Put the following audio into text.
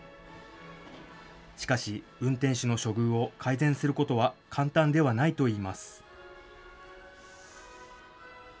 しかし、運転手の処遇を改善することは簡単ではないといいます。